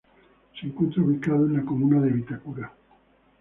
Se encuentra ubicado en la comuna de Vitacura.